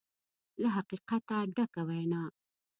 له حقیقته ډکه وینا